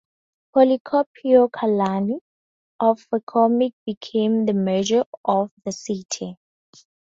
Policarpio Calani of Fercomin became the mayor of the city.